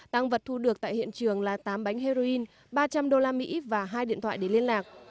tăng vật thu được tại hiện trường là tám bánh heroin ba trăm linh usd và hai điện thoại để liên lạc